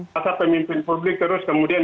masa pemimpin publik terus kemudian